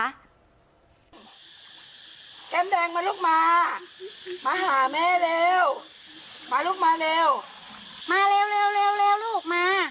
แก้มแดงมาลุกมามาหาแม่เร็วมาลุกมาเร็วมาเร็วเร็วลูกมา